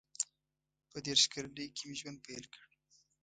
• په دېرش کلنۍ کې مې ژوند پیل کړ.